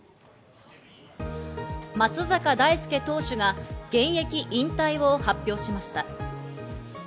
松坂大輔投手が現役引退を発表しました。